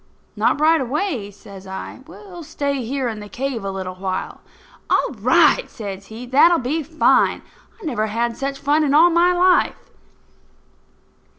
"Not right away," says I. "We'll stay here in the cave a while." "All right!" says he. "That'll be fine. I never had such fun in all my life."